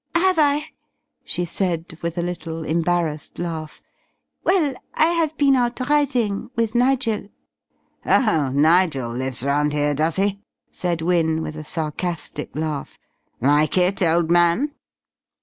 "Have I?" she said, with a little embarrassed laugh. "Well, I have been out riding with Nigel." "Oh, Nigel lives round here, does he?" said Wynne, with a sarcastic laugh. "Like it, old man?"